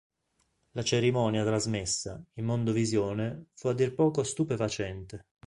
La cerimonia trasmessa, in mondovisione, fu a dir poco stupefacente.